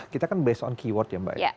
kita kan based on keyword ya mbak ya